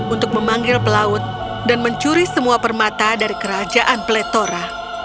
untuk memanggil pelaut dan mencuri semua permata dari kerajaan pletora